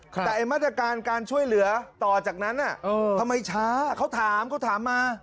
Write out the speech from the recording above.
แต่ไอ้มาตรการการช่วยเหลือต่อจากนั้นทำไมช้าเขาถามเขาถามมา